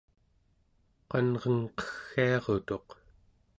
qanrenqeggiarutuq